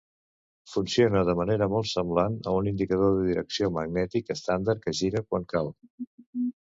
Funciona de manera molt semblant a un indicador de direcció magnètic estàndard, que gira quan cal.